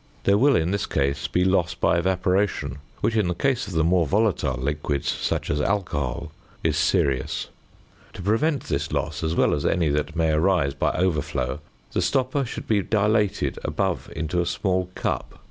There will in this case be loss by evaporation, which in the case of the more volatile liquids, such as alcohol, is serious. To prevent this loss, as well as any that may arise by overflow, the stopper should be dilated above into a small cup, A (fig.